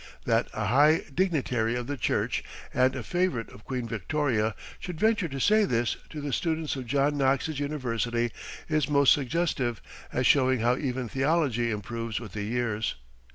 That a high dignitary of the Church and a favorite of Queen Victoria should venture to say this to the students of John Knox's University is most suggestive as showing how even theology improves with the years.